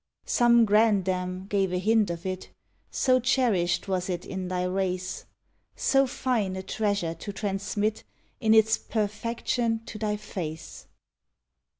Some grandam gave a hint of it— So cherished was it in thy race, So fine a treasure to transmit In its perfection to thy face.